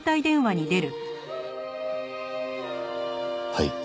はい。